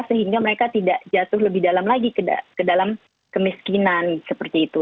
sehingga mereka tidak jatuh lebih dalam lagi ke dalam kemiskinan seperti itu